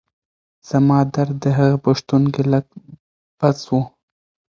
زما درد د هغې په شتون کې لږ پڅ شو.